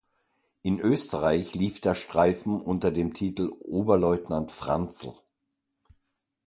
In Österreich lief der Streifen unter dem Titel "Oberleutnant Franzl".